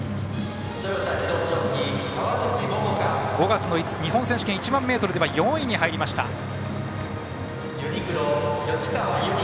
５月の日本選手権１００００ｍでは４位に入りました、川口。